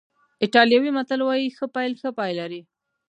ایټالوي متل وایي ښه پیل ښه پای لري.